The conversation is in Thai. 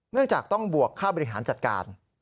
เนื่องจากต้องบวกค่าบริหารจัดการ